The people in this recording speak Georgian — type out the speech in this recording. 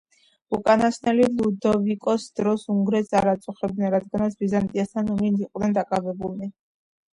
უკანასკნელნი ლუდოვიკოს დროს უნგრეთს არ აწუხებდნენ რადგანაც ბიზანტიასთან ომით იყვნენ დაკავებულნი.